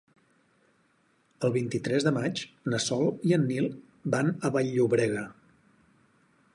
El vint-i-tres de maig na Sol i en Nil van a Vall-llobrega.